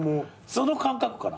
その感覚かな。